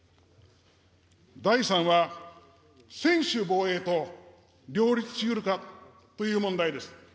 第３は、専守防衛と両立しうるかという問題です。